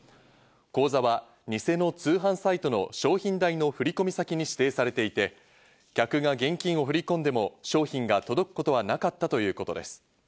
口座は、偽の通販サイトの商品代の振り込み先に指定されていて、客が現金を振り込んでも商品が届くことはなかったということです。